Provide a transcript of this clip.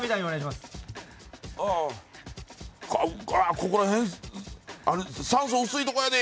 ここら辺、酸素薄いとこやで。